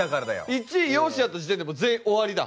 １位容姿やった時点でもう全員終わりだ。